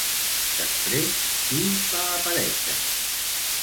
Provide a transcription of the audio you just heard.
Després, qui va aparèixer?